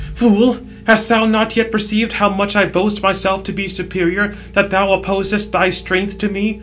"Fool, hast thou not yet perceived how much I boast myself to be superior, that thou opposest thy strength to me?